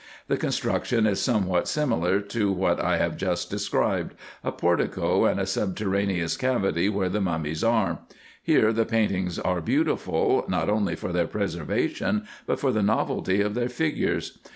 The construction is somewhat similar to what I have just described, a portico and a subterraneous cavity where the mummies are. Here the paintings are beautiful, not only for their preservation, but for the novelty of their figures.